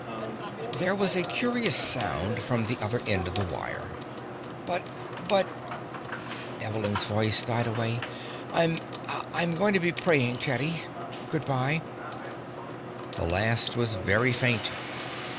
There was a curious sound from the other end of the wire. "But but " Evelyn's voice died away. "I'm I'm going to be praying, Teddy. Good by." The last was very faint.